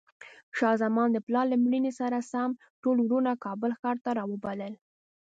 شاه زمان د پلار له مړینې سره سم ټول وروڼه کابل ښار ته راوبلل.